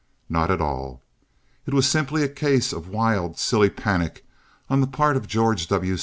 Not at all. It was simply a case of wild, silly panic on the part of George W.